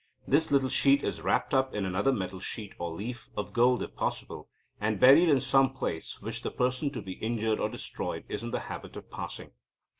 This little sheet is wrapped up in another metal sheet or leaf (of gold if possible), and buried in some place which the person to be injured or destroyed is in the habit of passing.